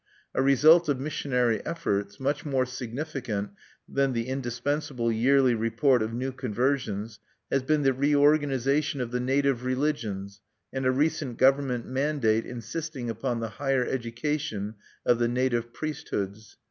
A result of missionary efforts, much more significant than the indispensable yearly report of new conversions, has been the reorganization of the native religions, and a recent government mandate insisting upon the higher education of the native priest hoods.